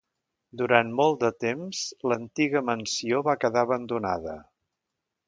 Durant molt de temps, l'antiga mansió va quedar abandonada.